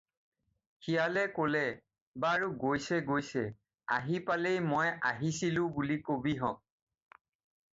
শিয়ালে ক'লে- "বাৰু গৈছে গৈছে, আহি পালেই মই আহিছিলোঁ বুলি কবিহঁক।"